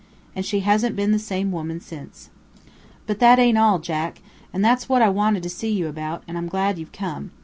And she hasn't been the same woman since. "But that ain't all, Jack; and it's what I wanted to see you about, and I'm glad you've come.